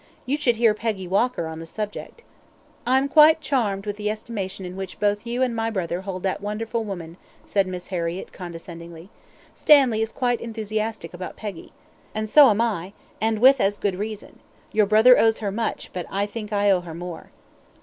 You should hear Peggy Walker on that subject." "I am quite charmed with the estimation in which both you and my brother hold that wonderful woman," said Miss Harriett, condescendingly. "Stanley is quite enthusiastic about Peggy." "And so am I, and with as good reason. Your brother owes her much, but I think I owe her more."